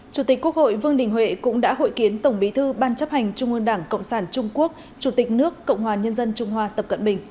chủ tịch quốc hội vương đình huệ cũng đã hội kiến tổng bí thư ban chấp hành trung ương đảng cộng sản trung quốc chủ tịch nước cộng hòa nhân dân trung hoa tập cận bình